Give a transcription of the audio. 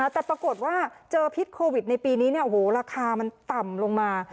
แต่ปรากฏว่าเจอพิษโควิดในปีนี้ราคามันต่ำลงมา